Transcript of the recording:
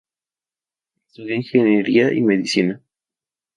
Estudió ingeniería y medicina.